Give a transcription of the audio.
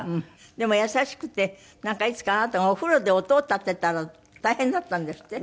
でも優しくてなんかいつかあなたがお風呂で音を立てたら大変だったんですって？